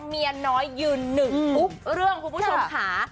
เมียน้อยยืนหนึ่งทุกเรื่องคุณผู้ชมค่ะ